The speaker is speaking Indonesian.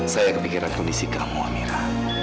saya kepikiran kondisi kamu amirah